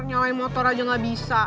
nyalain motor aja gak bisa